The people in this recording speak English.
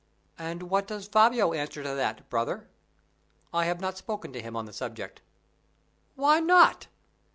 "And what does Fabio answer to that, brother?" "I have not spoken to him on the subject." "Why not?"